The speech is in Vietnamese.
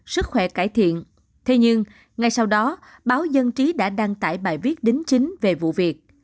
sức khỏe cải thiện thế nhưng ngay sau đó báo dân trí đã đăng tải bài viết đính chính về vụ việc